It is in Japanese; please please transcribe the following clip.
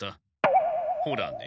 ほらね。